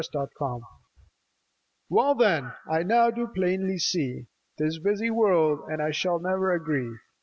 THE WISH WELL then, I now do plainly see This busy world and I shall ne'er agree.